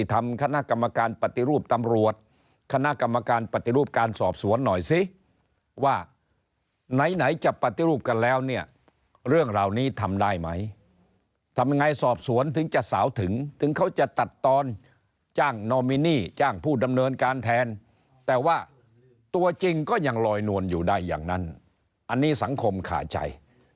ทำคณะกรรมการปฏิรูปตำรวจคณะกรรมการปฏิรูปการสอบสวนหน่อยสิว่าไหนไหนจะปฏิรูปกันแล้วเนี่ยเรื่องเหล่านี้ทำได้ไหมทำยังไงสอบสวนถึงจะสาวถึงถึงเขาจะตัดตอนจ้างนอมินีจ้างผู้ดำเนินการแทนแต่ว่าตัวจริงก็ยังลอยนวลอยู่ได้อย่างนั้นอันนี้สังคมขาใจ